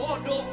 bodoh udah kakak